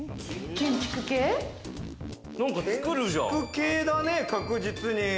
建築系だね、確実に。